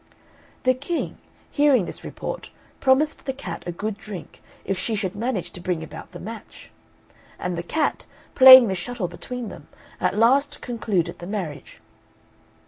The King, hearing this report, promised the cat a good drink if she should manage to bring about the match; and the cat, playing the shuttle between them, at last concluded the marriage.